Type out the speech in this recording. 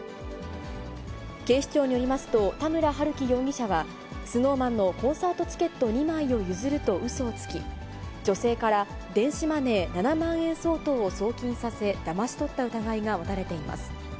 警視庁によりますと、田村遥貴容疑者はＳｎｏｗＭａｎのコンサートチケット２枚を譲るとうそをつき、女性から電子マネー７万円相当を送金させ、だまし取った疑いが持たれています。